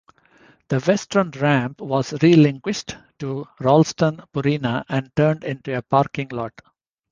The western ramp was relinquished to Ralston Purina and turned into a parking lot.